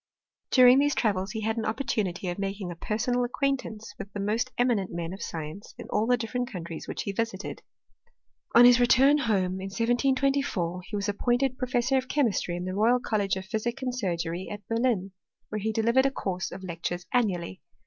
During these travels he had an opportunity of making a personal acquaintance with the most emihent men of science in all the different countries which he visited. On his return home, in 1724, he was appointed pro{le^K>r of chemistry in the Royal College Oi P^^c. 264 HISTORY OF CHBMI8TRT. and Surgery at Berlin, where he delivered a course of lectures annually.